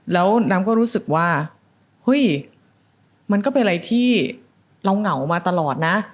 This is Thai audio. แล้วน้ำก็รู้สึกว่าเฮ้ยมันก็เป็นอะไรที่เราเหงามาตลอดนะ